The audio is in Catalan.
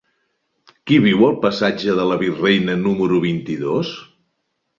Qui viu al passatge de la Virreina número vint-i-dos?